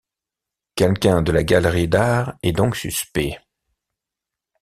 Quelqu'un de la galerie d'art est donc suspect...